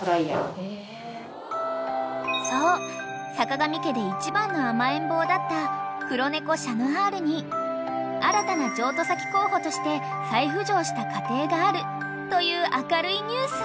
［そう坂上家で一番の甘えん坊だった黒猫シャノアールに新たな譲渡先候補として再浮上した家庭があるという明るいニュース］